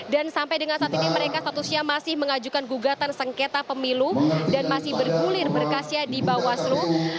dan sampai dengan saat ini mereka statusnya masih mengajukan gugatan sengketa pemilu dan masih bergulir berkasnya di bawaslu